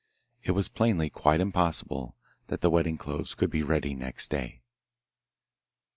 It was plainly quite impossible that the wedding clothes could be ready next day.